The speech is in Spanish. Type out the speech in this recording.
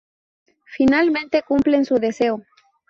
Finalmente cumplen su deseo.